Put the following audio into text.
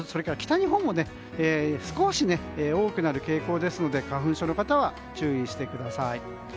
北日本も少し多くなる傾向ですので花粉症の方は注意してください。